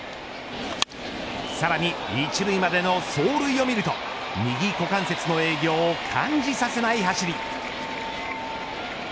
さらに１塁までの走塁を見ると右股関節の影響を感じさせない走り。